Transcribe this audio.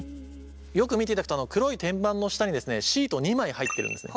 よく見ていただくと黒い天板の下にシート２枚入ってるんですね。